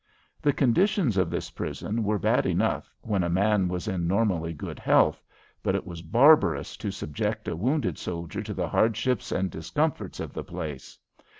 The conditions of this prison were bad enough when a man was in normally good health, but it was barbarous to subject a wounded soldier to the hardships and discomforts of the place.